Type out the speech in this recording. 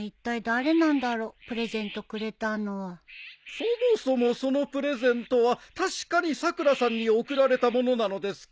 そもそもそのプレゼントは確かにさくらさんに贈られたものなのですか？